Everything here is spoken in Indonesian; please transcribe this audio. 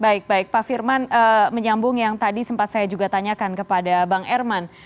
baik baik pak firman menyambung yang tadi sempat saya juga tanyakan kepada bang herman